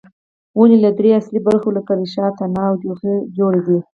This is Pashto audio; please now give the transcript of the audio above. ونې له درې اصلي برخو لکه ریښې، تنه او جوغې جوړې دي.